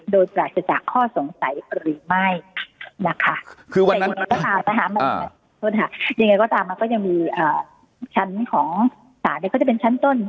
โดยแปลจากข้อสงสัยหรือไม่นะคะคือวันนั้นตามมันก็ยังมีชั้นของสาธารณ์นี้ก็จะเป็นชั้นต้น